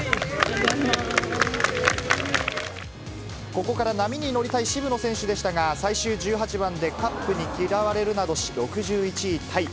ここから波に乗りたい渋野選手でしたが、最終１８番でカップに嫌われるなどし、６１位タイ。